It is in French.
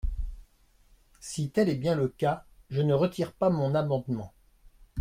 Si tel est bien le cas, je ne retire pas mon amendement.